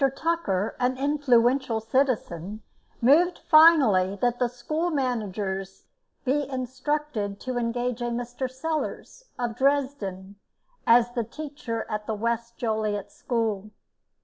Tucker, an influential citizen, moved finally that the school managers be instructed to engage a Mr. Sellars, of Dresden, as teacher at the West Joliet School.